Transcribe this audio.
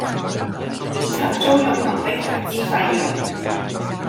以及租用溜冰鞋之費用